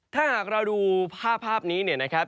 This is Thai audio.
ถ้าหากเราดูภาพนี้เนี่ยนะครับ